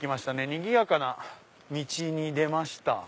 にぎやかな道に出ました。